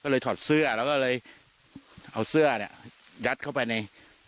ถอดเสื้อแล้วก็เลยเอาเสื้อเนี่ยยัดเข้าไปใน